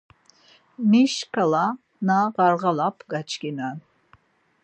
Mi şǩala na ğarğalap gaçkinen.